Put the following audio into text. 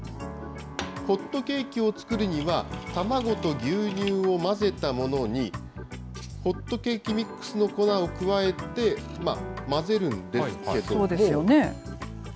ホットケーキを作るには、卵と牛乳を混ぜたものに、ホットケーキミックスの粉を加えて、混ぜるんですけれども。